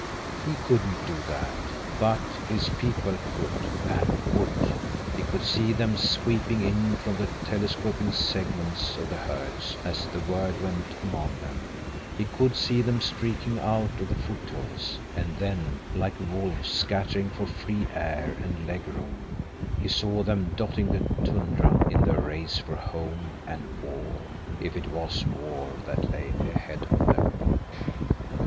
He couldn't do that. But his people could—and would. He could see them sweeping in from the telescoping segments of the herds as the word went among them; he could see them streaking out of the foothills; and then, like wolves scattering for freer air and leg room, he saw them dotting the tundra in their race for home—and war, if it was war that lay ahead of them.